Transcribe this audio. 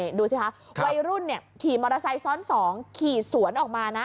เดี๋ยวดูสิคะค้ารุ่นเนี่ยขี่มอเตอร์ไซส์ซ้อนสองขี่สวนออกมาน่ะ